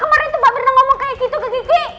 kenapa kemarin tuh mbak mirna ngomong kayak gitu ke kiki